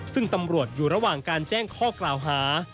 ซึ่งตำรวจอยู่ระหว่างการแจ้งข้อกล่าวหา